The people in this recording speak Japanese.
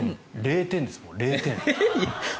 ０点ですよ、０点。